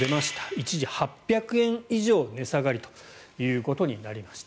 一時８００円以上値下がりということになりました。